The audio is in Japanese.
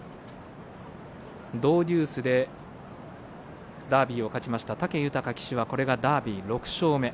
ドウデュースでダービーを勝ちました武豊騎手はこれでダービー６勝目。